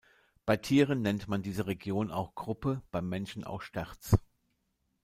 Bei Tieren nennt man diese Region auch Kruppe, beim Menschen auch Sterz.